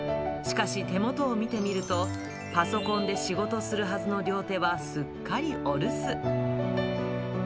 しかし手元を見てみると、パソコンで仕事するはずの両手はすっかりお留守。